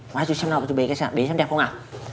nói chú xem nào cho bé xem đẹp không ạ